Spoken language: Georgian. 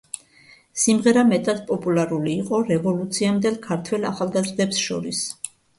სიმღერა მეტად პოპულარული იყო რევოლუციამდელ ქართველ ახალგაზრდებს შორის.